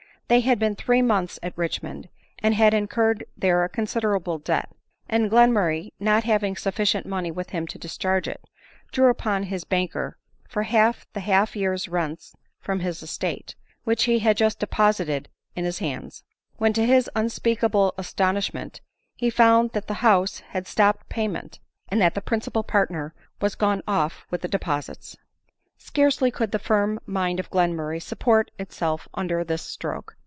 They had been three months at Richmond, and had incurred there a considerable debt ; and Gienmurray, not having sufficient money with him to discharge it, drew upon his banker for half the half year's rents from his estate, which he had just deposited in his hands ; when to his unspeakable astonishment he found that the house had stopped payment, and that the principal partner was gone off with the deposits ! Scarcely could the firm mind of Gienmurray support it self under this stroke.